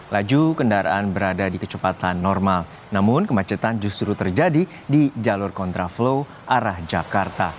laju kendaraan berada di kecepatan normal namun kemacetan justru terjadi di jalur kontraflow arah jakarta